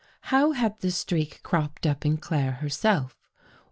How had the streak cropped up in Claire her self?